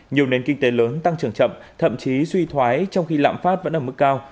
nhiều nền kinh tế lớn tăng trưởng chậm thậm chí suy thoái trong khi lãm phát vẫn ở mức cao